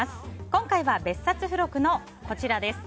今回は、別冊付録のこちらです。